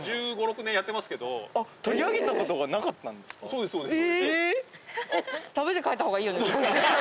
そうですそうです。